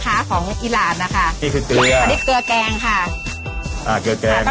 ทางตอนไลน์มาเลยค่ะโอเคค่ะ